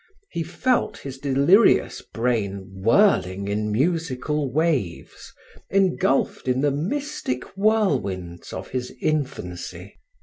He felt his delirious brain whirling in musical waves, engulfed in the mystic whirlwinds of his infancy.